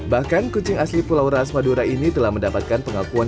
bahkan kucing asli pulau raas madura ini telah mendapatkan pengakuan